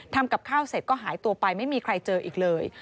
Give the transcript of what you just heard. ทำกับข้าวเสร็จก็หายตัวไปไม่มีใครเจออีกเลย